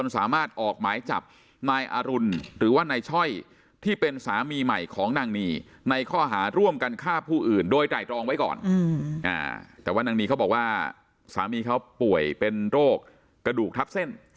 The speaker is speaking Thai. สามีเขาป่วยเป็นโรคกระดูกทับเส้น